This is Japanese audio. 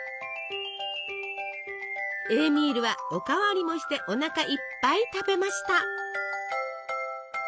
エーミールはお代わりもしておなかいっぱい食べました。